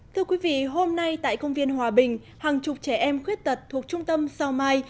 thưa quý vị hôm nay tại công viên hòa bình hàng chục trẻ em khuyết tật thuộc trung tâm sao mai